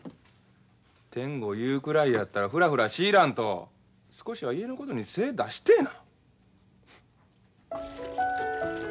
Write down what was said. てんご言うくらいやったらフラフラしいらんと少しは家のことに精出してえな。